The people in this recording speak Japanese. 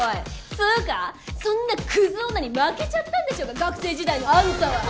つうかそんなクズ女に負けちゃったんでしょうが学生時代のあんたは！はあ？